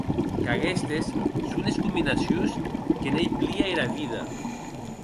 Qu’aguestes son es combinacions que n’ei plia era vida.